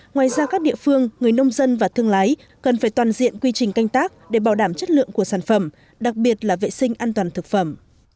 ngoài ra các địa phương người nông dân và thương lái cần phải toàn diện quy trình canh tác để bảo đảm chất lượng của sản phẩm đặc biệt là vệ sinh an toàn thực phẩm